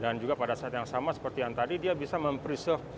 dan juga pada saat yang sama seperti yang tadi dia bisa mempreserve value kita